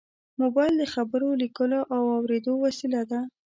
موبایل د خبرو، لیکلو او اورېدو وسیله ده.